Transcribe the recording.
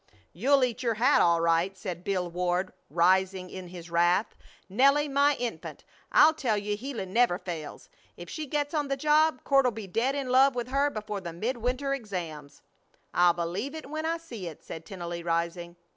"You'll eat your hat, all right," said Bill Ward, rising in his wrath. "Nelly, my infant, I tell you Gila never fails. If she gets on the job Court'll be dead in love with her before the midwinter exams.!" "I'll believe it when I see it," said Tennelly, rising.